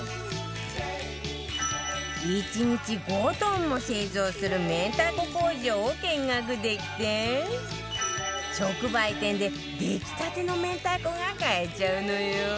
１日５トンも製造する明太子工場を見学できて直売店で出来たての明太子が買えちゃうのよ